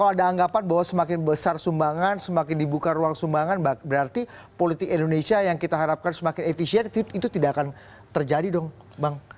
jadi kenapa bahwa semakin besar sumbangan semakin dibuka ruang sumbangan berarti politik indonesia yang kita harapkan semakin efisien itu tidak akan terjadi dong bang